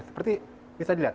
seperti bisa dilihat